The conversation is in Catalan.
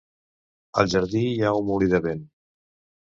Al jardí hi ha un molí de vent.